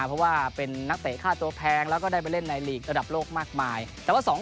เพราะว่าเป็นนักแตกห้าโตแพงแล้วก็ได้ไปเล่นในหลีกระดับโลกมากมายแต่ว่าสอง